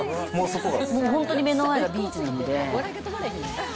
もう、本当に目の前がビーチなので。